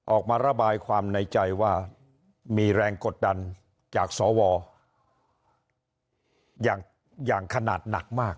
ออกมาระบายความในใจว่ามีแรงกดดันจากสวอย่างขนาดหนักมาก